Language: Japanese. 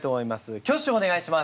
挙手をお願いします。